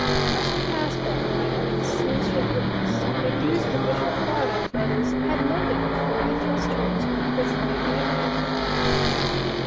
How she passed that night, after the scenes she had witnessed, and the abuse with which her father and brothers had loaded her before they thrust her into her prison, may be imagined.